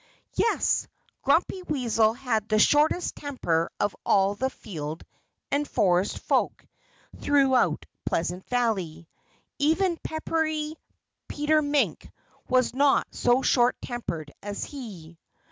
Yes! Grumpy Weasel had the shortest temper of all the field and forest folk throughout Pleasant Valley. Even peppery Peter Mink was not so short tempered as he.